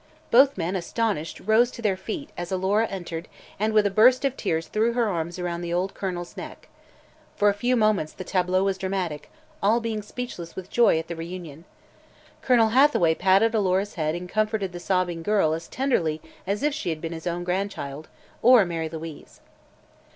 Both men, astonished, rose to their feet as Alora entered and with a burst of tears threw her arms around the old Colonel's neck. For a few moments the tableau was dramatic, all being speechless with joy at the reunion. Colonel Hathaway patted Alora's head and comforted the sobbing girl as tenderly as if she had been his own grandchild or Mary Louise.